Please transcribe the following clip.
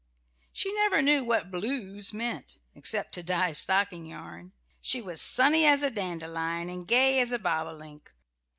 She never knew what "blues" meant, except to dye stocking yarn. She was sunny as a dandelion and gay as a bobolink.